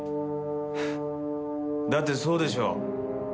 フッだってそうでしょう？